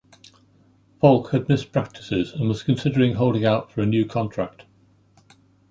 Faulk had missed practices and was considering holding out for a new contract.